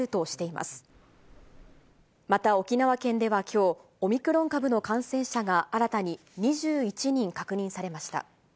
また、沖縄県ではきょう、オミクロン株の感染者が新たに２１人確認されました。